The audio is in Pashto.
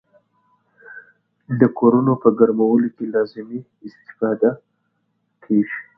کورونو په ګرمولو کې لازمې استفادې کیږي.